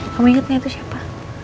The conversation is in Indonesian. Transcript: kamu ingatnya itu siapa